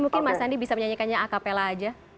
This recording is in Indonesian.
mungkin mas andi bisa menyanyikannya acapella aja